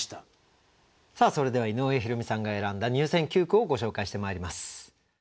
さあそれでは井上弘美さんが選んだ入選九句をご紹介してまいります。